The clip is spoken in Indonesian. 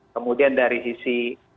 kemudian dari sisi